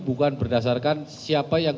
bukan berdasarkan siapa yang